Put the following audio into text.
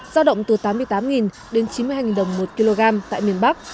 giao động từ tám mươi tám đến chín mươi hai đồng một kg tại miền bắc